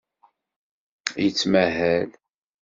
Yettmahal.